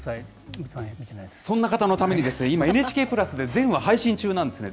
そんな方のために、今、ＮＨＫプラスで全話、配信中なんですね。